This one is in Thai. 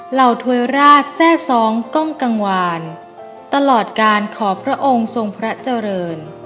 เหวยราชแทร่ซ้องกล้องกังวานตลอดการขอพระองค์ทรงพระเจริญ